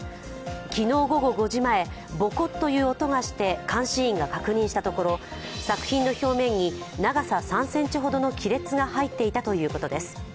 昨日午後５時前、ボコッという音がして監視員が確認したところ、作品の表面に長さ３ｃｍほどの亀裂が入っていたということです。